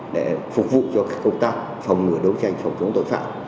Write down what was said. để phục vụ cho công tác phòng ngừa đấu tranh phòng chống tội phạm